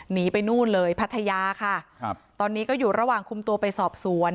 หนีไปนู่นเลยพัทยาค่ะครับตอนนี้ก็อยู่ระหว่างคุมตัวไปสอบสวน